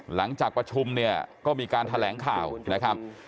หลังจากประชุมเนี่ยก็มีการแถลงข่าวนะครับ